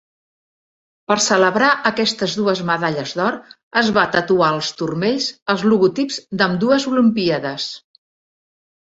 Per celebrar aquestes dues medalles d'or es va tatuar als turmells els logotips d'ambdues Olimpíades.